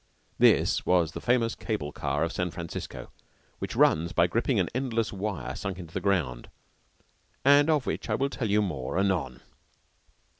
This was the famous cable car of San Francisco, which runs by gripping an endless wire rope sunk in the ground, and of which I will tell you more anon.